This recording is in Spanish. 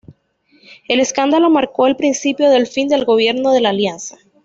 El escándalo marcó el principio del fin del Gobierno de la Alianza.